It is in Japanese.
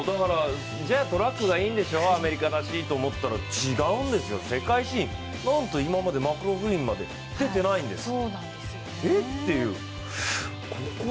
じゃあ、トラックがいいんでしょう、アメリカだしと思ったら違うんですよ、世界新、なんと今までマクローフリンまで出ていないんです。